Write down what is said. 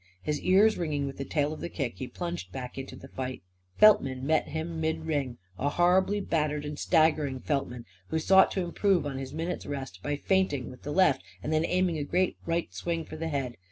His ears ringing with the tale of the kick, he plunged back into the fight. Feltman met him in midring; a horribly battered and staggering Feltman, who sought to improve on his minute's rest by feinting with the left and then aiming a great right swing for the head.